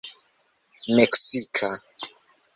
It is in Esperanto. meksika